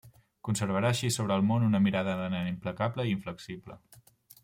Conservarà així sobre el món una mirada de nen implacable i inflexible.